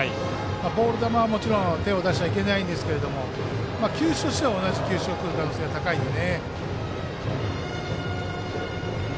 ボール球はもちろん手を出してはいけませんが球種としては同じ球種がくる可能性が高いので。